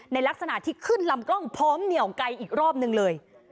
ในลักษณะที่ขึ้นลำกล้องพร้อมเหนียวไกลอีกรอบนึงเลย